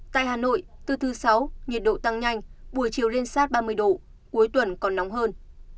tại hà nội từ thứ sáu nhiệt độ tăng nhanh buổi chiều lên sát ba mươi độ cuối tuần còn nóng hơn